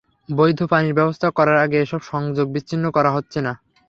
বৈধ পানির ব্যবস্থা করার আগে এসব সংযোগ বিচ্ছিন্ন করা হচ্ছে না।